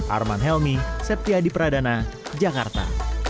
arman helmi septiadi pradana jakarta